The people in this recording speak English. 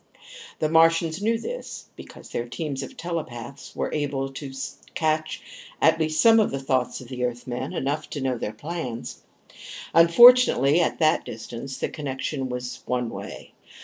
The Martians knew this, because their teams of telepaths were able to catch at least some of the thoughts of Earthmen, enough to know their plans. Unfortunately, at that distance, the connection was one way.